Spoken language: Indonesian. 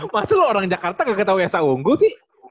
maksud lu orang jakarta gak tau esa unggul sih